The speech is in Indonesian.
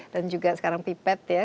dan juga sekarang pipet ya